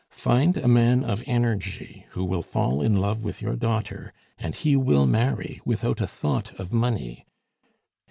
Find a man of energy who will fall in love with your daughter, and he will marry without a thought of money.